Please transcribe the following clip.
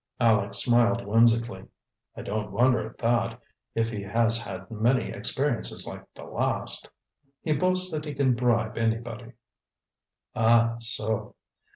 Aleck smiled whimsically. "I don't wonder at that, if he has had many experiences like the last." "He boasts that he can bribe anybody." "Ah, so!